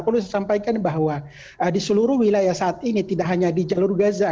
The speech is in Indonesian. saya ingin menyampaikan bahwa di seluruh wilayah saat ini tidak hanya di jalur gaza